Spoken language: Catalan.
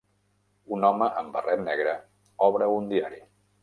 Un home amb barret negre obre un diari.